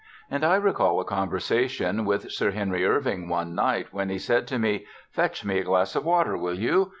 And I recall a conversation with Sir Henry Irving one night when he said to me, "Fetch me a glass of water, will you?"